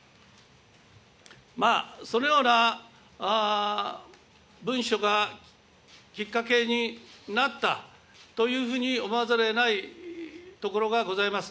そのような文書がきっかけになったというふうに思わざるをえないところがございます。